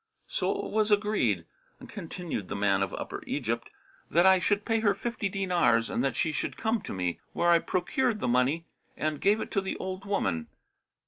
"So it was agreed" (continued the man of Upper Egypt), "that I should pay her fifty dinars and that she should come to me; whereupon I procured the money and gave it to the old woman.